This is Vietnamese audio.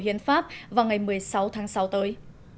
hiến pháp vào ngày một mươi sáu tháng sáu tới